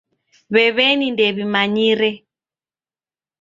W'ew'eni ndew'imanyire.